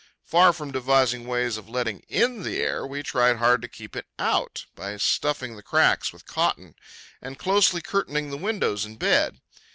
Far from devising ways of letting in the air, we tried hard to keep it out by stuffing the cracks with cotton, and closely curtaining the windows and bed.